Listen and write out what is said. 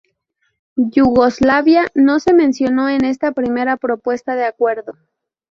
Yugoslavia no se mencionó en esta primera propuesta de acuerdo.